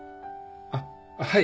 あっはい。